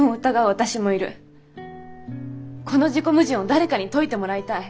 この自己矛盾を誰かに解いてもらいたい。